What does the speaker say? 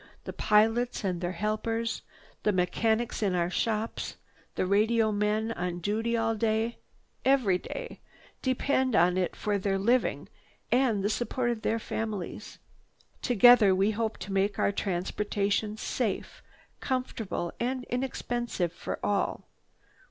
The pilots and their helpers, the mechanics in our shops, the radio men on duty all day, every day, depend on it for their living and the support of their families. Together we hope to make our transportation safe, comfortable and inexpensive for all.